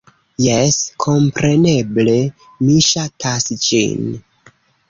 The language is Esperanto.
Jes, kompreneble, mi ŝatas ĝin!